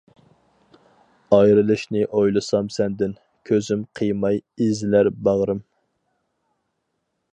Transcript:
ئايرىلىشنى ئويلىسام سەندىن، كۆزۈم قىيماي ئېزىلەر باغرىم.